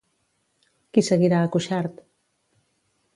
Qui seguirà a Cuixart?